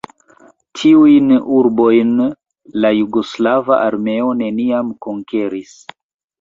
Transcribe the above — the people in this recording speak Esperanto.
Tiujn urbojn la jugoslava armeo neniam konkeris.